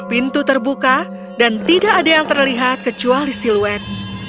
pintu terbuka dan tidak ada yang terlihat kecuali siluet